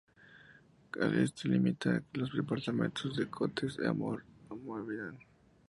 Al este limita con los departamentos de Côtes-d'Armor y Morbihan.